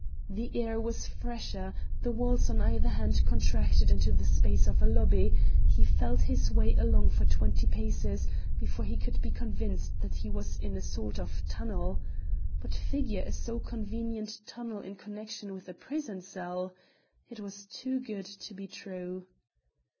The air was fresher; the walls on either hand contracted into the space of a lobby; he felt his way along for twenty paces before he could be convinced that he was in a sort of tunnel. But figure a so convenient tunnel in connection with a prison cell! It was too good to be true.